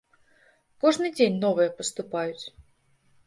Кожны дзень новыя паступаюць.